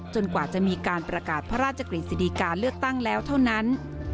กว่าจะมีการประกาศพระราชกฤษฎีกาเลือกตั้งแล้วเท่านั้น